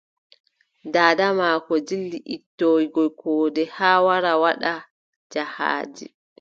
Daada maako dilli ittoygo koode haa wara waɗa jahaaji.